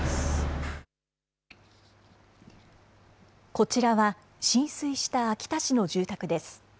こちらは、浸水した秋田市の住宅です。